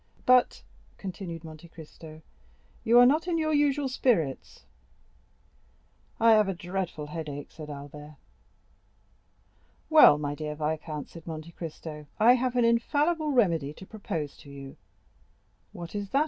"But," continued Monte Cristo, "you are not in your usual spirits?" "I have a dreadful headache," said Albert. "Well, my dear viscount," said Monte Cristo, "I have an infallible remedy to propose to you." "What is that?"